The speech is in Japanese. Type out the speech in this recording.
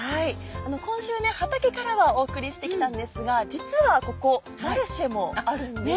今週ね畑からはお送りしてきたんですが実はここマルシェもあるんですよ。